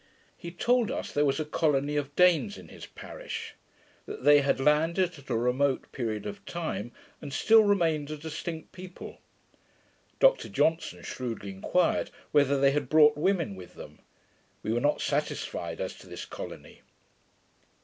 He told us, there was a colony of Danes in his parish; that they had landed at a remote period of time, and still remained a distinct people. Dr Johnson shrewdly inquired whether they had brought women with them. We were not satisfied as to this colony.